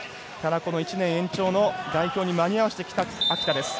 この１年延長の代表に間に合わせてきた秋田です。